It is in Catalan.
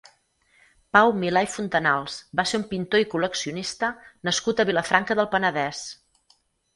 Pau Milà i Fontanals va ser un pintor i col·leccionista nascut a Vilafranca del Penedès.